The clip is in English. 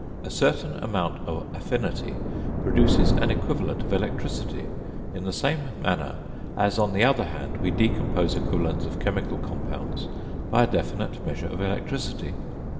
A certain amount of affinity produces an equivalent of electricity in the same manner as, on the other hand, we decompose equivalents of chemical compounds by a definite measure of electricity.